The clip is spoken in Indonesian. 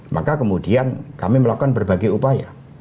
maka kemudian kami melakukan berbagai upaya